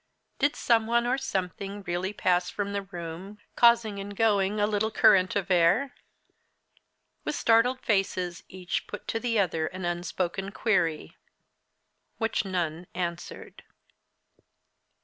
Did some one or something really pass from the room, causing in going a little current of air? With startled faces each put to the other an unspoken query. Which none answered.